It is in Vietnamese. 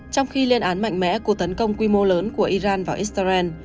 trong khi lên án mạnh mẽ cuộc tấn công quy mô lớn của iran vào israel